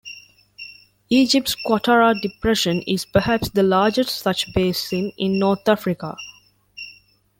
Egypt's Qattara Depression is perhaps the largest such basin in North Africa.